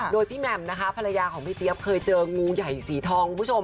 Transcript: โดยพี่แหม่มนะคะภรรยาของพี่เจี๊ยบเคยเจองูใหญ่สีทองคุณผู้ชม